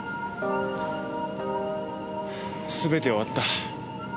すべて終わった。